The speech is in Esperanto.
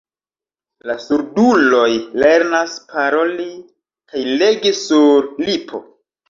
La surduloj lernas paroli kaj legi sur lipo.